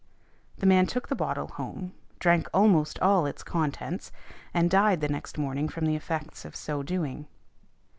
The man took the bottle home, drank almost all its contents, and died the next morning from the effects of so doing.